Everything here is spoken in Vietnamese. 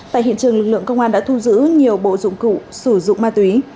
tại hiện trường lực lượng công an đã thu giữ nhiều bộ dụng cụ sử dụng ma túy